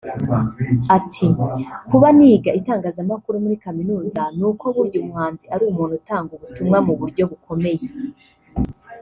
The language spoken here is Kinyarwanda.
Ati “Kuba niga itangazamakuru muri kaminuza ni uko burya umuhanzi ari umuntu utanga ubutumwa mu buryo bukomeye